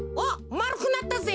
まるくなったぜ！